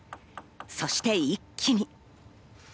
そして一気に。